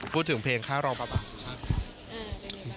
พูดถึงเพลงค่ะรอไปเปล่า